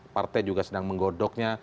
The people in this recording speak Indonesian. partai juga sedang menggodoknya